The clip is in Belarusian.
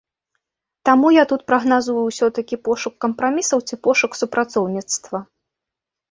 Таму я тут прагназую ўсё-ткі пошук кампрамісаў ці пошук супрацоўніцтва.